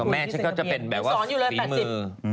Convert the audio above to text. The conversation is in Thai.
แม่ดิฉันก็จะเป็นสีมือ